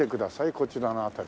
こちらの辺り。